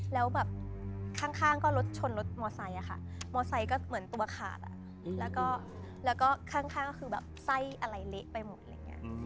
แล้วแบบข้างก็รถชนรถมอไซค์อะค่ะมอไซค์ก็เหมือนตัวขาดแล้วก็ข้างก็คือแบบไส้อะไรเละไปหมดอะไรอย่างนี้